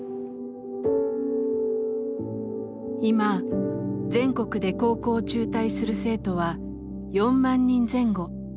今全国で高校を中退する生徒は４万人前後。